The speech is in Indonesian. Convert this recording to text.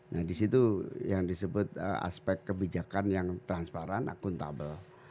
nah disitu yang disebut aspek kebijakan yang transparan akuntabel